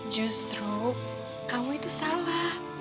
justru kamu itu salah